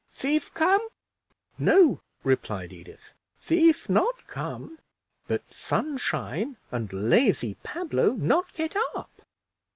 thief come?" "No," replied Edith, "thief not come, but sun shine, and lazy Pablo not get up."